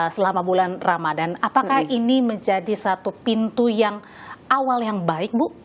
selama bulan ramadan apakah ini menjadi satu pintu yang awal yang baik bu